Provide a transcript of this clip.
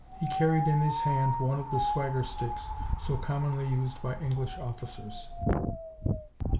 He carried in his hand one of the swagger sticks so commonly used by English officers.